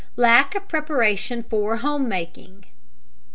LACK OF PREPARATION FOR HOME MAKING.